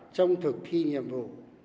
trong thực thi nhiệm vụ